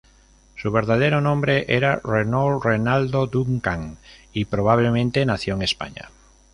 Su verdadero nombre era Renault Renaldo Duncan, y probablemente nació en España.